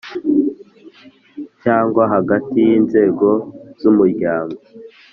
Cyangwa hagati y inzego z umuryango